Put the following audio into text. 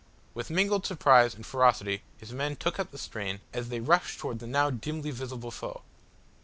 With mingled surprise and ferocity his men took up the strain, as they rushed towards the now dimly visible foe.